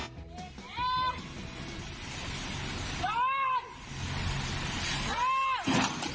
ชน